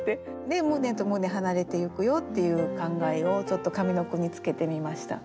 で「胸と胸はなれてゆくよ」っていう感慨をちょっと上の句につけてみました。